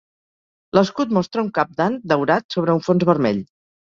L'escut mostra un cap d'ant daurat sobre un fons vermell.